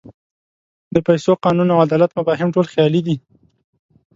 د پیسو، قانون او عدالت مفاهیم ټول خیالي دي.